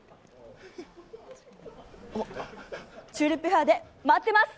チューリップフェアで待ってます！